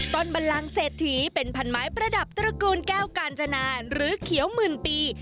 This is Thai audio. บันลังเศรษฐีเป็นพันไม้ประดับตระกูลแก้วกาญจนาหรือเขียวหมื่นปี